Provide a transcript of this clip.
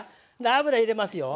油入れますよ。